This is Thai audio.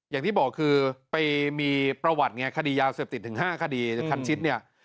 อย่างที่บอกคือไปมีประวัติไงคดียาเสพติดถึง๕คดีคันชิดเนี่ย